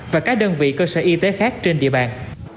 và các đơn vị cơ sở y tế khác trên địa bàn